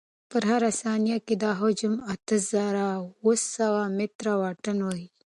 په هره ثانیه کې دا جسم اته زره اوه سوه متره واټن وهي.